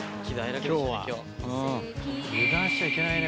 油断しちゃいけないね